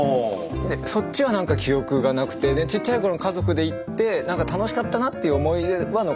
そっちは何か記憶がなくてちっちゃいころ家族で行って何か楽しかったなっていう思い出は残ってて。